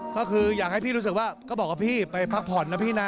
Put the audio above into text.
ก็คืออยากให้พี่รู้สึกว่าก็บอกว่าพี่ไปพักผ่อนนะพี่นะ